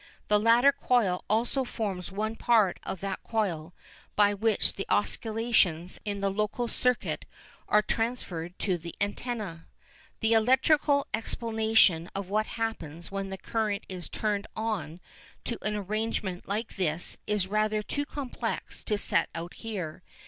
The latter coil also forms one part of that coil by which the oscillations in the local circuit are transferred to the antenna. The electrical explanation of what happens when the current is turned on to an arrangement like this is rather too complex to set out here.